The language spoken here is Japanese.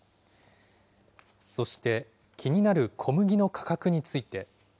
そして気になる小麦の価格について。